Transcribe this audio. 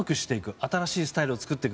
新しいスタイルを作っていく。